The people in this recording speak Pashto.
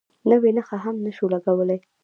نوې نښه هم نه شو لګولی.